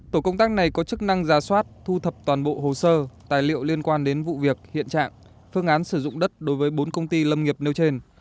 tổ công tác này có chức năng giả soát thu thập toàn bộ hồ sơ tài liệu liên quan đến vụ việc hiện trạng phương án sử dụng đất đối với bốn công ty lâm nghiệp nêu trên